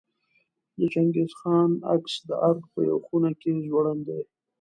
د چنګیز خان عکس د ارګ په یوه خونه کې ځوړند دی.